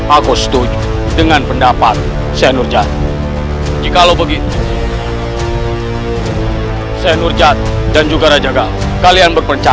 aku setuju dengan pendapat tower jaduh jikalau begitu ya kya nurjad dan juga rajagal kalian buena